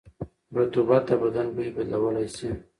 رطوبت د بدن بوی بدلولی شي.